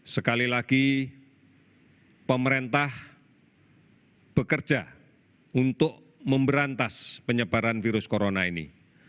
sekali lagi pemerintah bekerja untuk memberantas penyebaran virus corona ini